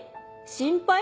心配？